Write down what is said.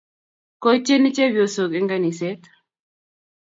koityeni chepyosok eng' kaniset